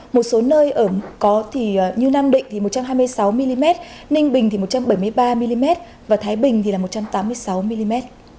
một số nơi ở như nam định thì một trăm hai mươi sáu mm ninh bình thì một trăm bảy mươi ba mm và thái bình thì là một trăm tám mươi sáu mm